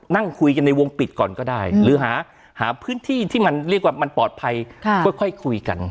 นั่งคุยกันในวงปิดก่อนก็ได้หรือหาพื้นที่ที่มันเรียกว่ามันปลอดภัยค่อยคุยกัน